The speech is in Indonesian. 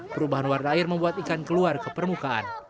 perubahan warna air membuat ikan keluar ke permukaan